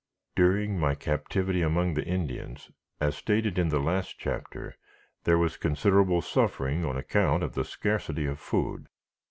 During my captivity among the Indians, as stated in the last chapter, there was considerable suffering on account of the scarcity of food.